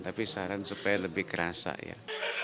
tapi saran supaya lebih kerasa ya